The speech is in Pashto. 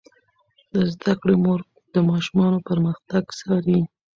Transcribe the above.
د زده کړې مور د ماشومانو پرمختګ څاري.